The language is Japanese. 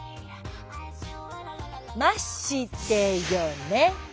ましてよね。